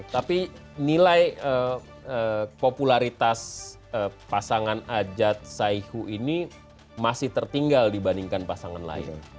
tapi nilai popularitas pasangan ajat saihu ini masih tertinggal dibandingkan pasangan lain